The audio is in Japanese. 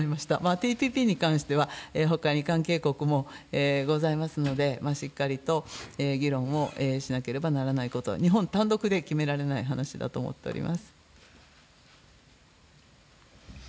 ＴＰＰに関しては、ほかに関係国もございますので、しっかりと議論をしなければならないこと、日本単独で決められない話だと思っております。